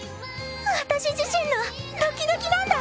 私自身のドキドキなんだ！